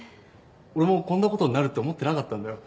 俺もこんなことになるって思ってなかったんだよ。